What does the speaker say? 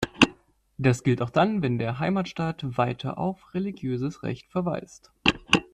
Das gilt auch dann, wenn der Heimatstaat weiter auf religiöses Recht verweist.